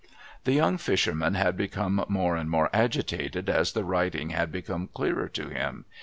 The young fisherman had become more and more agitated, as the writing had become clearer to him.